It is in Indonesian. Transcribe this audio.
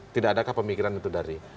tidak adakah pemikiran itu dari